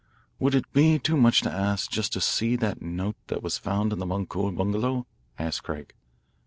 "Would it be too much to ask just to see that note that was found in the Boncour bungalow?" asked Craig.